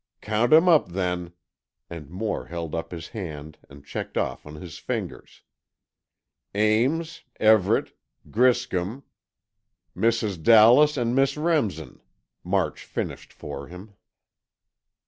"Count 'em up, then," and Moore held up his hand and checked off on his fingers. "Ames, Everett, Griscom——" "Mrs. Dallas and Miss Remsen," March finished for him.